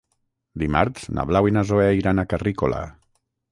Dimarts na Blau i na Zoè iran a Carrícola.